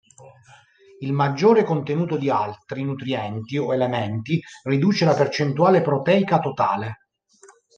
Il maggiore contenuto di altri nutrienti o elementi riduce la percentuale proteica totale.